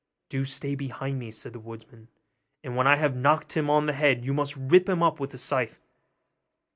'Do you stay behind,' said the woodman, 'and when I have knocked him on the head you must rip him up with the scythe.